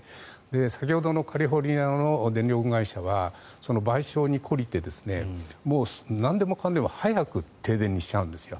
先ほどのカリフォルニアの電力会社はその賠償に懲りてなんでもかんでも早く停電にしちゃうんですよ。